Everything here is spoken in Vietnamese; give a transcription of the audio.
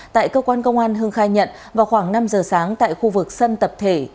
tại cơ quan công an hưng khai nhận vào khoảng năm giờ sáng tại khu vực sân tập thể